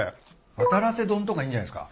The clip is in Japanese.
渡良瀬丼とかいいんじゃないっすか？